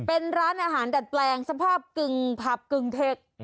เป็นร้านอาหารดัดแปลงสภาพกึ่งผับกึ่งเทค